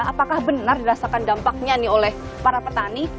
apakah benar dirasakan dampaknya nih oleh para petani